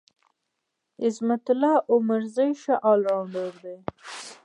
عظمت الله عمرزی ښه ال راونډر دی.